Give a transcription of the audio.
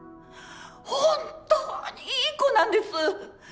本当にいい子なんです。